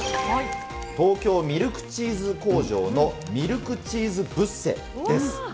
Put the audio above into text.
東京ミルクチーズ工場のミルクチーズブッセです。